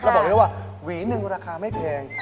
แล้วบอกเลยว่าหวีหนึ่งราคาไม่แพง